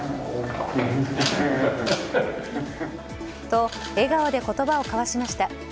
と、笑顔で言葉を交わしました。